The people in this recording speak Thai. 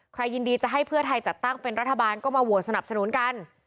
ใครยินดีจะให้เพื่อไทยจัดตั้งเป็นรัฐบาลก็มาโหวตสนับสนุนกัน